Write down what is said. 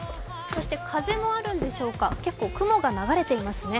そして風もあるんでしょうか、結構雲も流れていますね。